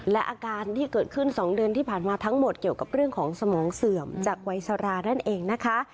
และอาการที่เกิดขึ้น๒เดือนที่ผ่านมาทั้งหมดเกี่ยวกับเรื่องของสมองเสื่อมจากวัยสรานั่นเองนะคะ